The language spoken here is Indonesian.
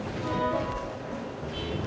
ke rumah sakit